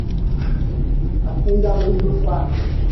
Acenda a luz do quarto